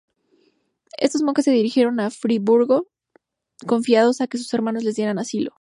Estos monjes se dirigieron a Friburgo confiados en que sus hermanos les dieran asilo.